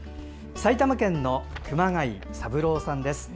埼玉県熊谷市の熊谷三郎さんです。